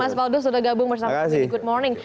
mas faldus udah gabung bersama kita di good morning